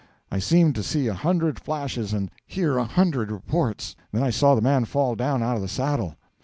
I seemed to see a hundred flashes and hear a hundred reports, then I saw the man fall down out of the saddle.